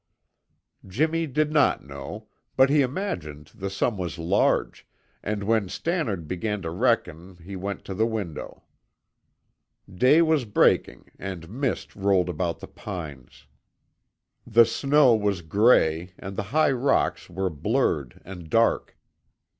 Jimmy did not know, but he imagined the sum was large, and when Stannard began to reckon he went to the window. Day was breaking and mist rolled about the pines. The snow was gray and the high rocks were blurred and dark.